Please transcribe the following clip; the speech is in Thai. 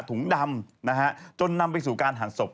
ถุงดำนะฮะจนนำไปสู่การหั่นศพ